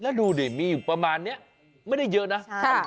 แล้วดูดิมีอยู่ประมาณนี้ไม่ได้เยอะนะ